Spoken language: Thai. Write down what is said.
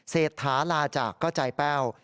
เศรษฐาลาจากก็ใจแป้ว